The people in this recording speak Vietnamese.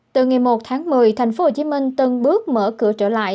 từ ngày một tháng một mươi thành phố hồ chí minh từng bước mở cửa trở lại